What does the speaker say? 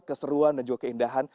keseruan dan juga keindahan